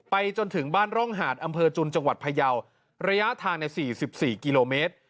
จนถึงบ้านร่องหาดอำเภอจุนจังหวัดพยาวระยะทางใน๔๔กิโลเมตร